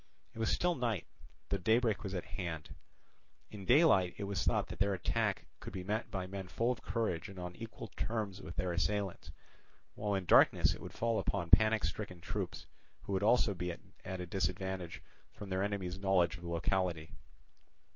It was still night, though daybreak was at hand: in daylight it was thought that their attack would be met by men full of courage and on equal terms with their assailants, while in darkness it would fall upon panic stricken troops, who would also be at a disadvantage from their enemy's knowledge of the locality.